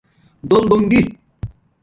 دولدُنگݵ